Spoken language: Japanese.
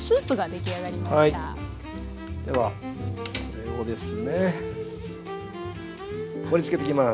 ではこれをですね盛りつけていきます。